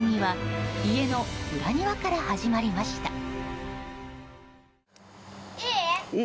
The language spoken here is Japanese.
その歩みは家の裏庭から始まりました。